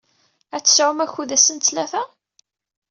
Ad tesɛumt akud ass n ttlata?